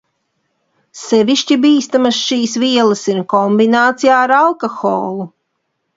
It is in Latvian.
Sevišķi bīstamas šīs vielas ir kombinācijā ar alkoholu.